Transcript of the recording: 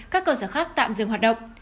các cơ sở khác tạm dừng hoạt động